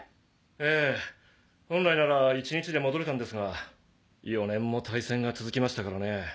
ええ本来なら１日で戻れたんですが４年も大戦が続きましたからね。